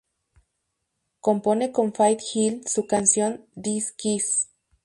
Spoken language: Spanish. Compone con Faith Hill su canción "This Kiss".